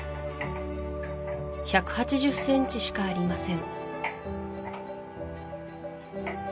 １８０センチしかありません